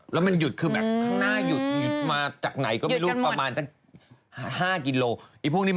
แล้วมันหยุดคือแบบข้างหน้าหยุดมาจากไหนก็ไม่รู้ประมาณสัก๕กิโล